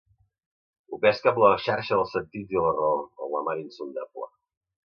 Ho pesque amb la xarxa dels sentits i la raó, en la mar insondable.